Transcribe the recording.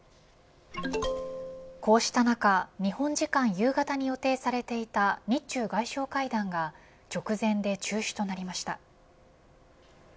こうした中日本時間夕方に予定されていた日中外相会談が直前で中止となりました。